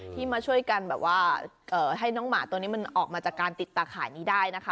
มาช่วยกันแบบว่าให้น้องหมาตัวนี้มันออกมาจากการติดตาข่ายนี้ได้นะคะ